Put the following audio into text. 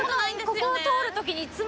ここを通るときにいつも。